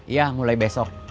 iya mulai besok